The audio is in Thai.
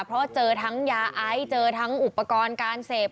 เพราะว่าเจอทั้งยาไอซ์เจอทั้งอุปกรณ์การเสพ